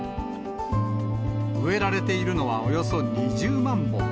植えられているのはおよそ２０万本。